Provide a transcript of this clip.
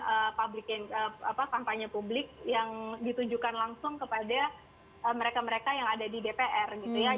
tapi memang jadi sebelum ruu ini disahkan memang kita banyak sekali melakukan kampanye publik yang ditunjukkan langsung kepada mereka mereka yang ada di dpr gitu ya